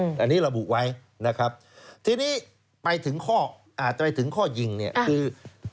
อันนี้ระบุไว้นะครับทีนี้ไปถึงข้ออาจจะไปถึงข้อยิงเนี่ยคือ